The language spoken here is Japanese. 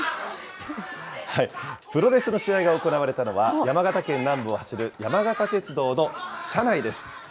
プロレスの試合が行われたのは、山形県南部を走る山形鉄道の車内です。